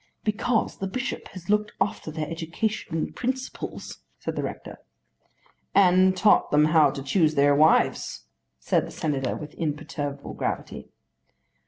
"Because the bishop has looked after their education and principles," said the rector. "And taught them how to choose their wives," said the Senator with imperturbable gravity.